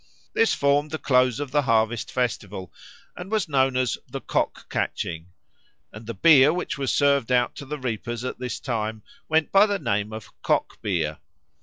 This formed the close of the harvest festival and was known as "the Cock catching," and the beer which was served out to the reapers at this time went by the name of "Cock beer."